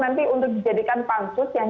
nanti untuk dijadikan pansus yang